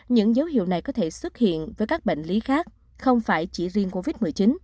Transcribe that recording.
những dấu hiệu này có thể xuất hiện với các bệnh lý khác không phải chỉ riêng covid một mươi chín